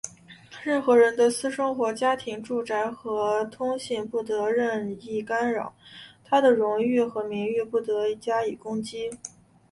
任何人的私生活、家庭、住宅和通信不得任意干涉,他的荣誉和名誉不得加以攻击。